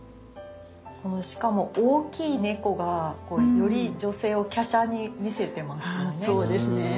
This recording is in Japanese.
しかも大きい猫がより女性を華奢に見せてますよね。